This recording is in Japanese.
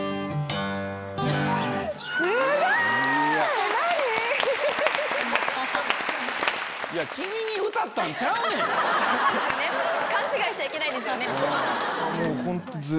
すごい‼何⁉勘違いしちゃいけないですよね。